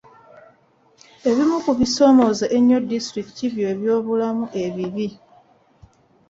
Ebimu ku bisoomooza ennyo disitulikiti bye byobulamu ebibi.